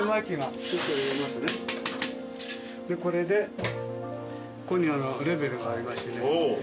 これでここにレベルがありましてね。